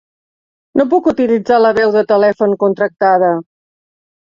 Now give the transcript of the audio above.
No puc utilitzar la veu de telèfon contractada.